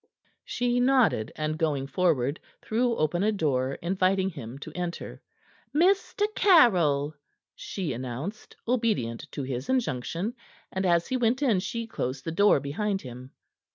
She nodded, and, going forward, threw open a door, inviting him to enter. "Mr. Caryll," she announced, obedient to his injunction, and as he went in she closed the door behind him.